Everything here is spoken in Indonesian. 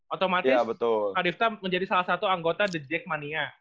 otomatis adif tam menjadi salah satu anggota the jack mania